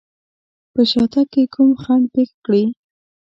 په شاتګ کې کوم خنډ پېښ کړي.